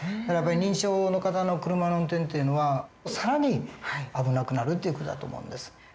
だからやっぱり認知症の方の車の運転っていうのは更に危なくなるという事だと思うんです。